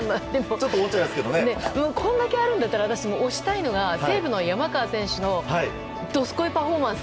これだけあるんだったら私も推したいのが、西武の山川選手のどすこいパフォーマンス。